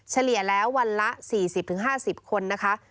เฉลี่ยแล้ววันละ๔๐๕๐คนนะคะ